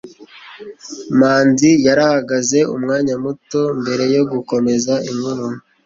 manzi yarahagaze umwanya muto mbere yo gukomeza inkuru